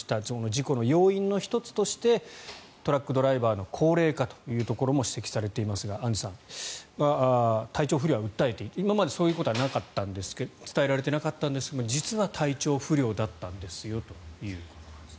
事故の要因の１つとしてトラックドライバーの高齢化というのが指摘されていますがアンジュさん体調不良は訴えていて今までそういうことは伝えられていなかったんですが実は体調不良だったんですよということです。